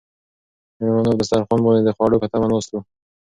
مېلمانه په دسترخوان باندې د خوړو په تمه ناست وو.